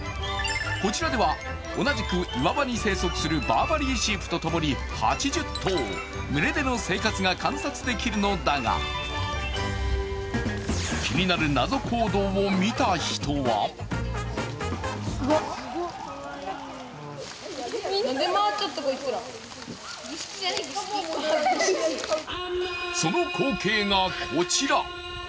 こちらでは同じく岩場に生息するバーバリーシープとともに８０頭、群れでの生活が観察できるのだが気になる謎行動を見た人はその光景がこちら！